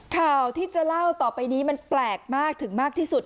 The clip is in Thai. ข่าวที่จะเล่าต่อไปนี้มันแปลกมากถึงมากที่สุด